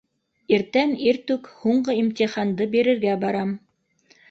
Иртән иртүк һуңғы имтиханды бирергә барам.